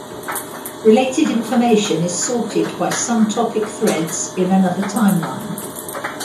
Related information is sorted by some topic threads in another timeline.